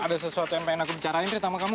ada sesuatu yang ingin aku bicarakan trit sama kamu